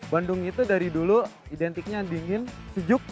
bandung itu dari dulu identiknya dingin sejuk